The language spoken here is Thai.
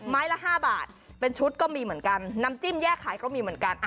ละ๕บาทเป็นชุดก็มีเหมือนกันน้ำจิ้มแยกขายก็มีเหมือนกัน